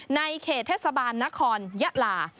ในเขตเทศบาลนครยะลา